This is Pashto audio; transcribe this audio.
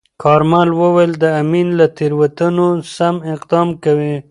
کارمل وویل، د امین له تیروتنو سم اقدام کوي.